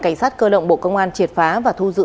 cảnh sát cơ động bộ công an triệt phá và thu giữ